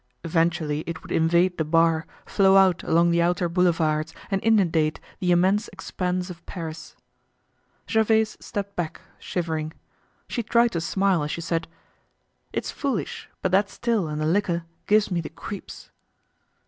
Eventually it would invade the bar, flow out along the outer Boulevards, and inundate the immense expanse of Paris. Gervaise stepped back, shivering. She tried to smile as she said: "It's foolish, but that still and the liquor gives me the creeps."